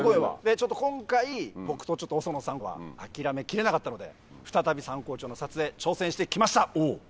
ちょっと今回僕と小曽納さんは諦めきれなかったので再びサンコウチョウの撮影挑戦して来ました。